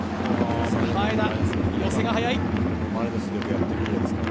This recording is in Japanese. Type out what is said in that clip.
前田、寄せが速い。